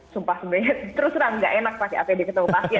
sumpah sebenarnya terus terang nggak enak pakai apd ketemu pasien